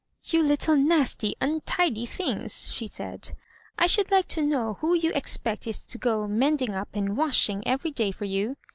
"You little nasty untidy things!" she said, " I should like to know who you expect is to go mending up and washing every day for you